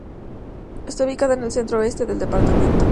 Está ubicada en el centro-oeste del departamento.